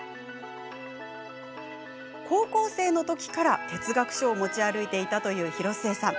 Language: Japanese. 高校生のときから哲学書を持ち歩いていたという広末さん。